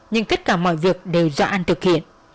nhưng tất cả mọi việc đều do an thực hiện